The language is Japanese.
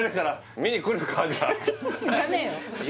「見に来るか？」